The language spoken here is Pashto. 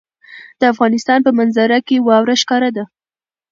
د افغانستان په منظره کې واوره ښکاره ده.